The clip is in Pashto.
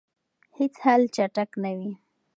هیڅ حل چټک نه وي.